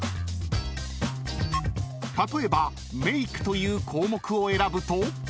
［例えばメイクという項目を選ぶと］